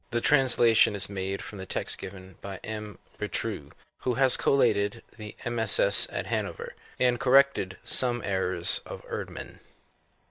^ The translation is mi^e from the text given by M. Boutroux, who has collated the MSS. at Hanover and corrected some errors of Erdmann.